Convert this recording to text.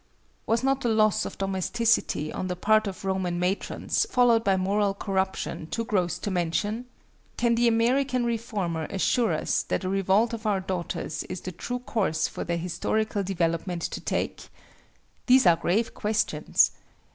Was not the loss of domesticity on the part of Roman matrons followed by moral corruption too gross to mention? Can the American reformer assure us that a revolt of our daughters is the true course for their historical development to take? These are grave questions.